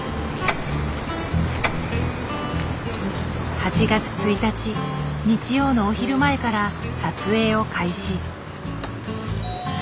８月１日日曜のお昼前から撮影を開始。